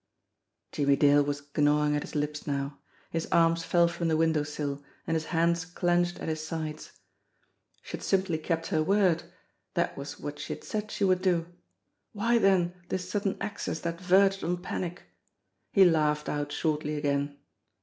Jimmie Dale was gnawing at his lips now; his arms fell from the window sill, and his hands clenched at his sides. She had simply kept her word. That was what she had said she would do. Why then this sudden access that verged on panic ? He laughed out shortly again.